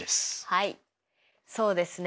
はいそうですね。